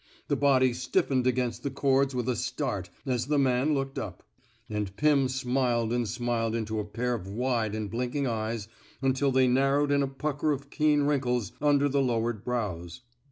The body stiffened against the cords with a start as the man looked up. And Pim smiled and smiled into a pair of wide and blinking eyes until 79 THE SMOKE EATEES they narrowed in a pucker of keen wrinkles under the lowered brows.